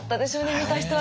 見た人は。